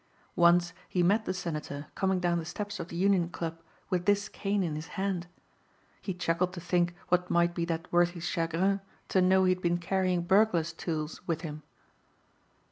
Once he met the Senator coming down the steps of the Union Club with this cane in his hand. He chuckled to think what might be that worthy's chagrin to know he had been carrying burglar's tools with him.